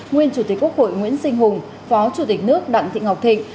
nguyên chủ tịch quốc hội nguyễn sinh hùng phó chủ tịch nước đặng thị ngọc thịnh